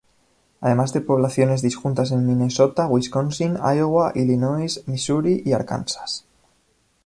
Además de poblaciones disjuntas en Minnesota, Wisconsin, Iowa, Illinois, Missouri y Arkansas.